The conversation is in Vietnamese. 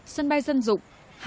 một sân bay dân dụng